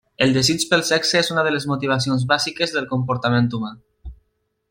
El desig pel sexe és una de les motivacions bàsiques del comportament humà.